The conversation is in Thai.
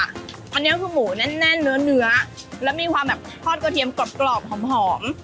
อันนี้คือหมูแน่นเนื้อแล้วมีความแบบทอดกระเทียมกรอบหอม